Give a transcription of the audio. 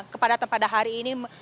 kepadatan pada hari ini